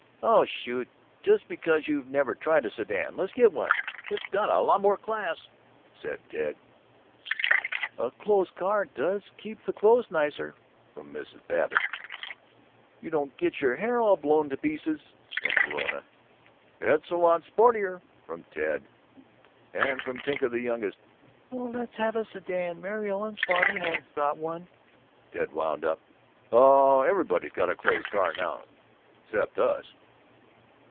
"Oh, shoot, that's just because you never tried a sedan. Let's get one. It's got a lot more class," said Ted. "A closed car does keep the clothes nicer," from Mrs. Babbitt; "You don't get your hair blown all to pieces," from Verona; "It's a lot sportier," from Ted; and from Tinka, the youngest, "Oh, let's have a sedan! Mary Ellen's father has got one." Ted wound up, "Oh, everybody's got a closed car now, except us!"